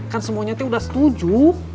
kan semuanya teh udah setuju